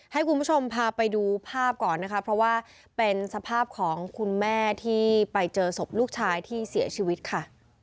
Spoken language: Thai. ให้คุณผู้ชมพาไปดูภาพก่อนนะคะเพราะว่าเป็นสภาพของคุณแม่ที่ไปเจอศพลูกชายที่เสียชีวิตค่ะ